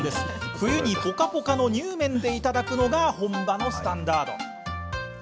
冬にポカポカのにゅうめんでいただくのが本場のスタンダード。